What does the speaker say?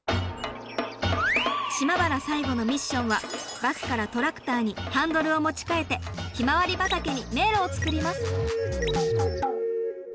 島原最後のミッションはバスからトラクターにハンドルを持ち替えてひまわり畑に迷路を作ります！